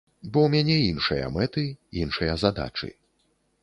Бо ў мяне іншыя мэты, іншыя задачы.